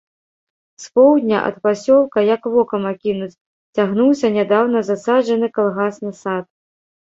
З поўдня ад пасёлка, як вокам акінуць, цягнуўся нядаўна засаджаны калгасны сад.